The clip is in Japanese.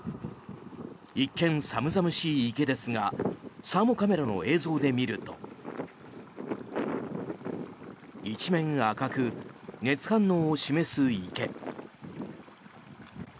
一見、寒々しい池ですがサーモカメラの映像で見ると一面赤く、熱反応を示す池。